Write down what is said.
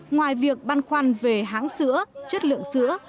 ngoài việc băn khoăn về háng sữa chất lượng sữa